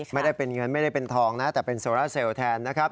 ไม่ได้เป็นเงินไม่ได้เป็นทองนะแต่เป็นโซราเซลล์แทนนะครับ